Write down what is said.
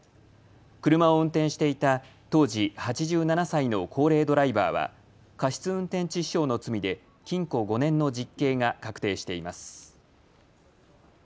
車を運転していた当時８７歳の高齢ドライバーは過失運転致死傷の罪で禁錮５年の実刑が確定しています。